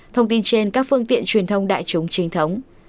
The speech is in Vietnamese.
thông tin trên các phương tiện truyền thông đại chúng chính thống